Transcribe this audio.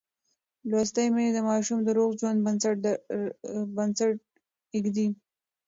لوستې میندې د ماشوم د روغ ژوند بنسټ ږدي.